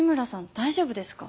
大丈夫ですか？